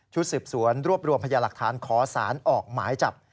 สืบสวนรวบรวมพยาหลักฐานขอสารออกหมายจับ